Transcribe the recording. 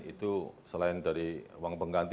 itu selain dari uang pengganti